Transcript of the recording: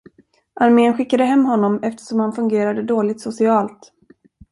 Armén skickade hem honom eftersom han fungerade dåligt socialt.